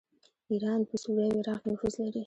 ایران په سوریه او عراق کې نفوذ لري.